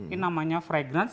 ini namanya fragrance